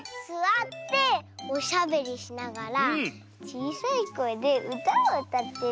すわっておしゃべりしながらちいさいこえでうたをうたってる？